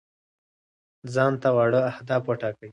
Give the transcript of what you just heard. ځان ته واړه اهداف وټاکئ.